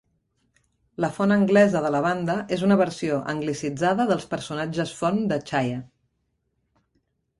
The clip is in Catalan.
La font anglesa de la banda és una versió anglicitzada dels personatges font de Chaya.